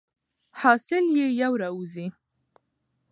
حاصل یې یو را وزي.